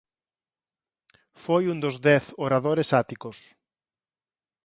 Foi un dos dez oradores áticos.